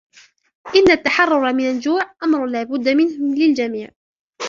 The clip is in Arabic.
إن التحرر من الجوع أمر لا بد منه للجميع.